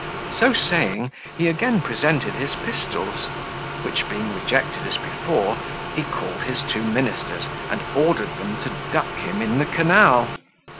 So saying, he again presented his pistols, which being rejected as before, he called his two ministers, and ordered them to duck him in the canal.